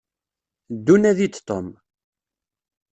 Ddu nadi-d Tom.